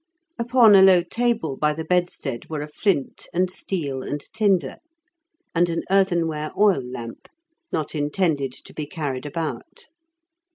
Upon a low table by the bedstead were a flint and steel and tinder, and an earthenware oil lamp, not intended to be carried about.